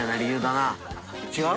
違う？